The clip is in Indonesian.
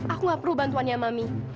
aku gak perlu bantuannya mami